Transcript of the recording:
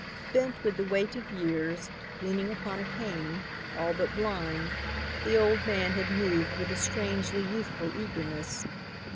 Bent with the weight of years, leaning upon a cane, all but blind, the old man had moved with a strangely youthful eagerness.